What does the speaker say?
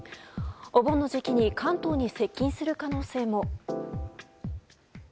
お盆の時期に関東に接近する可能性も。